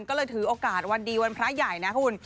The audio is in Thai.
ก็เลยถือโอกาสวันดีวันพระใหญ่นะคุณ